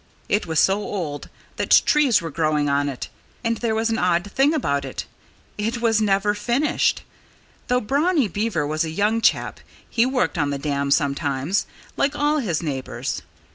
It was so old that trees were growing on it. And there was an odd thing about it: it was never finished. Though Brownie Beaver was a young chap, he worked on the dam sometimes, like all his neighbors.